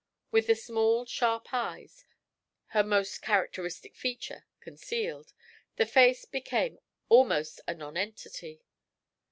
With the small, sharp eyes, her most characteristic feature, concealed, the face became almost a nonentity.